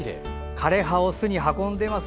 枯れ葉を巣に運んでいます。